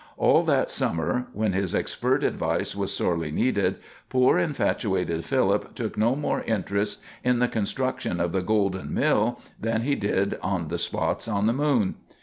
All that summer, when his expert advice was sorely needed, poor infatuated Philip took no more interest in the construction of the golden mill than he took in the spots on the moon.